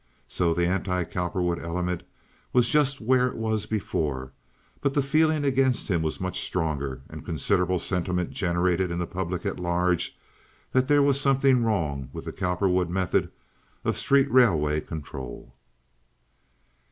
So the anti Cowperwood element was just where it was before; but the feeling against him was much stronger, and considerable sentiment generated in the public at large that there was something wrong with the Cowperwood method of street railway control.